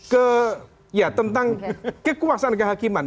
ke ya tentang kekuasaan kehakiman